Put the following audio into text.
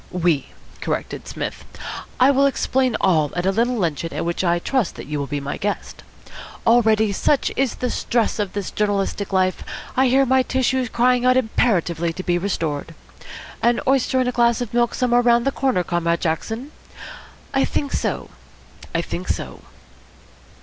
"We," corrected Psmith. "I will explain all at a little luncheon at which I trust that you will be my guest. Already, such is the stress of this journalistic life, I hear my tissues crying out imperatively to be restored. An oyster and a glass of milk somewhere round the corner, Comrade Jackson? I think so, I think so."